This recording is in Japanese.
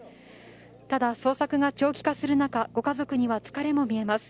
ただ、捜索が長期化する中、ご家族には疲れも見えます。